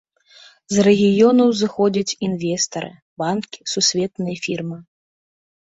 З рэгіёнаў зыходзяць інвестары, банкі, сусветныя фірмы.